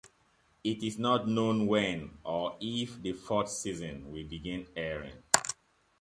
It is not known when, or if the fourth season will begin airing.